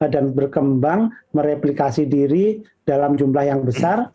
dan berkembang mereplikasi diri dalam jumlah yang besar